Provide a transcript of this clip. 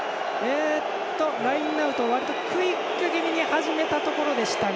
ラインアウト、割とクイック気味に始めたところでしたが。